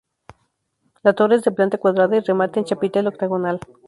La torre es de planta cuadrada y remate en chapitel octogonal.